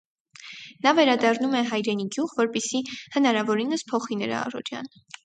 Նա վերադառնում է հայրենի գյուղ, որպեսզի հնարավորինս փոխի նրա առօրյան։